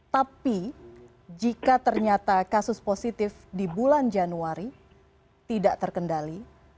tapi jika ternyata kasus positif di bulan januari tidak terkendali